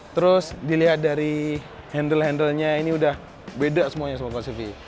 terus dilihat dari handle handlenya ini udah beda semuanya semua kcv